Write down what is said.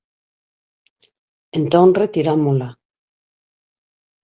Entón, retirámola.